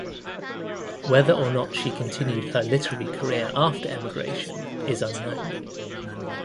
Whether or not she continued her literary career after emigration is unknown.